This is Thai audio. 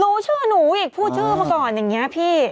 รู้ชื่อหนูอีกพูดชื่อมาก่อนอย่างนี้พี่